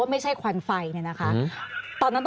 สามารถรู้ได้เลยเหรอคะ